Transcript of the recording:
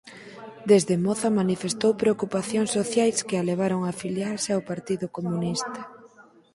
Desde moza manifestou preocupacións sociais que a levaron a afiliarse ao Partido Comunista.